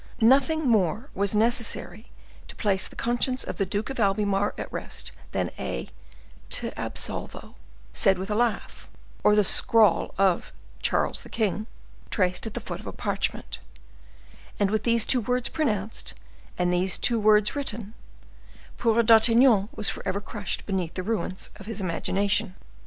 Nothing more was necessary to place the conscience of the Duke of Albemarle at rest than a te absolvo said with a laugh, or the scrawl of "Charles the King," traced at the foot of a parchment; and with these two words pronounced, and these two words written, poor D'Artagnan was forever crushed beneath the ruins of his imagination.